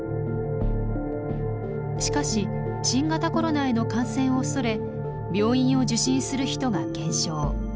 しかし新型コロナへの感染を恐れ病院を受診する人が減少。